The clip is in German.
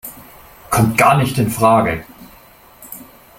Kommt gar nicht infrage!